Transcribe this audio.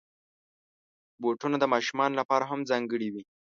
بوټونه د ماشومانو لپاره هم ځانګړي وي.